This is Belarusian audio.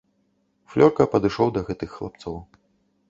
Флёрка падышоў да гэтых хлапцоў.